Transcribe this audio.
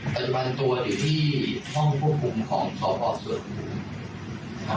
ปัจจุบันตัวอยู่ที่ห้องควบคุมของสอบออกส่วนผู้